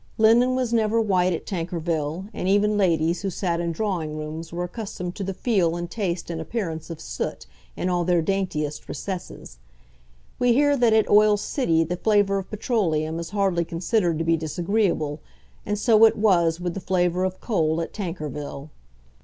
Linen was never white at Tankerville, and even ladies who sat in drawing rooms were accustomed to the feel and taste and appearance of soot in all their daintiest recesses. We hear that at Oil City the flavour of petroleum is hardly considered to be disagreeable, and so it was with the flavour of coal at Tankerville.